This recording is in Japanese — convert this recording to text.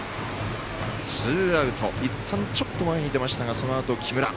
ツーアウト、いったんちょっと前に出ましたがそのあと、木村。